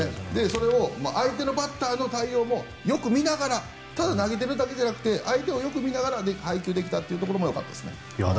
それを相手のバッターの対応もよく見ながら、ただ投げてるだけじゃなくて相手を見ながら配球できたのがよかったですね。